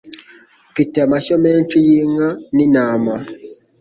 mfite amashyo menshi yinka n'intama